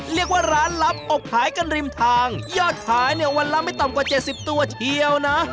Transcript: เรียกว่าร้านลับอกขายกันริมทางยอดขายเนี่ยวันละไม่ต่ำกว่าเจ็ดสิบตัวเชียวนะ